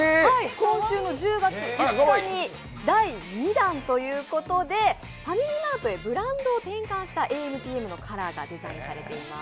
今週１０月５日に第２弾ということで、ファミリーマートでブランドを展開したａｍ／ｐｍのカラーになっています。